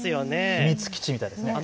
秘密基地みたいですね。